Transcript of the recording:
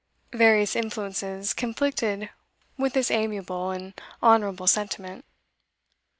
Various influences conflicted with this amiable and honourable sentiment.